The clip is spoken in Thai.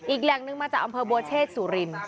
อีกแหล่งนึงมาจากอำเภอบัวเชษสุริน